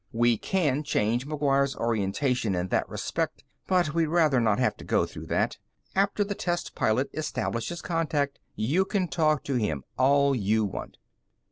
We can change McGuire's orientation in that respect, but we'd rather not have to go through that. After the test pilot establishes contact, you can talk to him all you want."